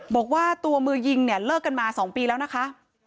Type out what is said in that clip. บอกว่าตัวมือยิงเนี่ยเลิกกันมา๒ปีแล้วนะคะ